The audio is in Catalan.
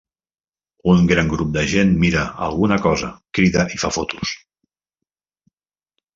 Un gran grup de gent mira alguna cosa, crida i fa fotos.